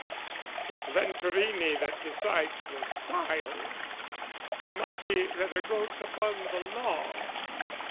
It's Venturini that decides for style. Tommati rather goes upon the law.